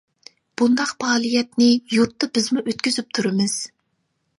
بۇنداق پائالىيەتنى يۇرتتا بىزمۇ ئۆتكۈزۈپ تۇرىمىز.